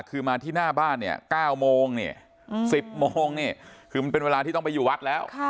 คือมาที่หน้าบ้านเนี่ย๙โมงเนี่ย๑๐โมงนี่คือมันเป็นเวลาที่ต้องไปอยู่วัดแล้ว